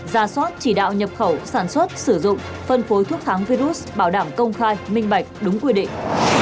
ra soát chỉ đạo nhập khẩu sản xuất sử dụng phân phối thuốc thắng virus bảo đảm công khai minh bạch đúng quy định